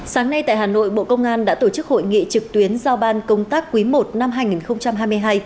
sáng nay tại hà nội bộ công an đã tổ chức hội nghị trực tuyến giao ban công tác quý i năm hai nghìn hai mươi hai